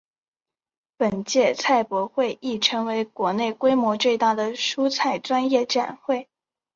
本届菜博会亦成为国内规模最大的蔬菜专业展会。